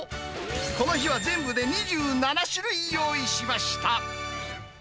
この日は全部で２７種類用意しました。